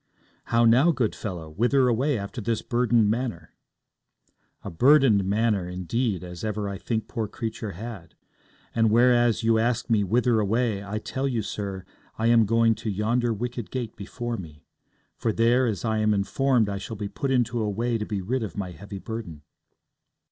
'How now, good fellow? Whither away after this burdened manner?' 'A burdened manner, indeed, as ever I think poor creature had. And whereas you ask me whither away, I tell you, sir, I am going to yonder wicket gate before me; for there, as I am informed, I shall be put into a way to be rid of my heavy burden.'